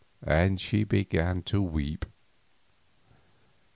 And she began to weep.